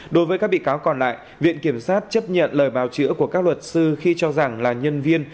đối với các bị cáo còn lại viện kiểm sát chấp nhận lời bào chữa của các luật sư khi cho rằng là nhân viên